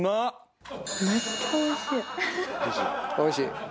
おいしい。